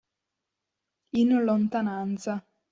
In lontananza.